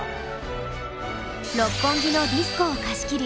六本木のディスコを貸し切り